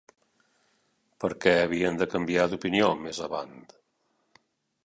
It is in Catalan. Per què havien de canviar d’opinió més avant?